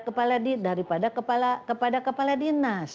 kepada kepala dinas